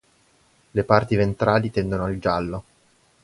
Le parti ventrali tendono al giallo.